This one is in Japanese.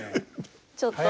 ちょっと。